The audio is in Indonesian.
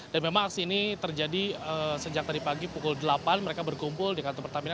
dan memang aksi ini terjadi sejak tadi pagi pukul delapan mereka berkumpul di kantor pertamina